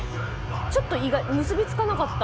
ちょっと意外結びつかなかった。